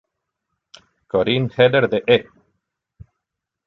Corinne Heller de E!